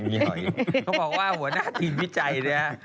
เขาบอกว่าหัวหน้าทีมวิจัยเนี่ย